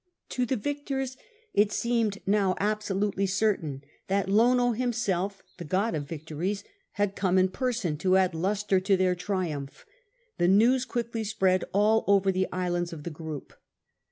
To the victors it seemed 148 CAPTAIN COOK CHAP. now absolutely certain that Lono himself, the god of victories, had come in person to add lustre to their triumph. The news quickly spreiul over all the islands of the group.